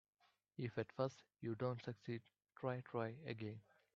If at first you don't succeed, try, try again.